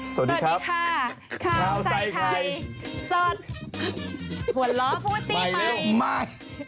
สวัสดีค่ะข้าวใส่ไทยสอดหัวล้อผู้สีไทย